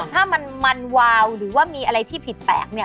ถ้ามันวาวหรือว่ามีอะไรที่ผิดแปลกเนี่ย